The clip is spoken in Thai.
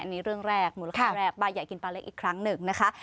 อันนี้เรื่องแรกมูลค่าแรกป้าใหญ่กินปลาเล็กอีกครั้งหนึ่งนะคะ